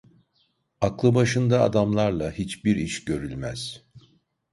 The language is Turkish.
Aklı başında adamlarla hiçbir iş görülmez.